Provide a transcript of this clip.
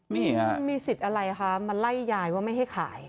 นี่ค่ะมีสิทธิ์อะไรคะมาไล่ยายว่าไม่ให้ขาย